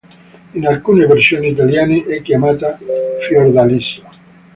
In alcune versioni italiani è chiamata Fiordaliso.